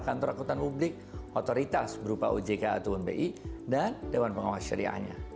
kantor akutan publik otoritas berupa ojk ataupun bi dan dewan pengawas syariahnya